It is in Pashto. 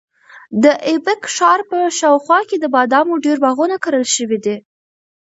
د ایبک ښار په شاوخوا کې د بادامو ډېر باغونه کرل شوي دي.